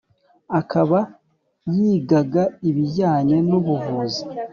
Akaba yigaga ibijyanye nubuvuzi